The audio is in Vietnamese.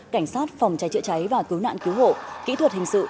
cảnh sát phòng cháy chữa cháy và cứu nạn cứu hộ kỹ thuật hình sự